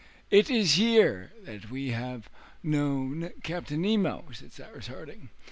"It is here that we have known Captain Nemo," said Cyrus Harding.